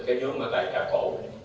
cái nhóm là tà cổ